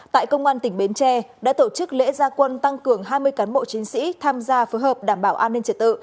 tại công an tỉnh bến tre đã tổ chức lễ gia quân tăng cường hai mươi cán bộ chiến sĩ tham gia phối hợp đảm bảo an ninh trật tự